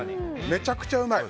めちゃくちゃうまい！